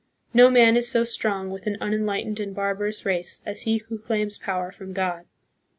No man is so strong with an unenlightened and barbarous race as he who claims power . from God.